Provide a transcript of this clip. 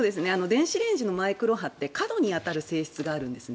電子レンジのマイクロ波って角に当たる性質があるんです。